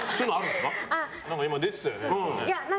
今、出てたよね。